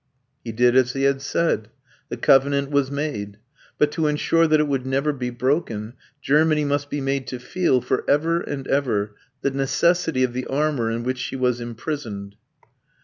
He did as he had said. The covenant was made. But, to ensure that it would never be broken, Germany must be made to feel, for ever and ever, the necessity of the armour in which she was imprisoned.